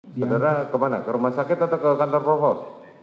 saudara kemana ke rumah sakit atau ke kantor provok